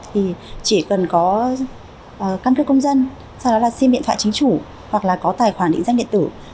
thì chỉ cần có căn cứ công dân sau đó là sim điện thoại chính chủ hoặc là có tài khoản định danh điện tử